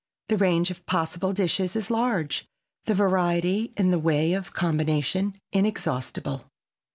The range of possible dishes is large, the variety in the way of combination inexhaustible.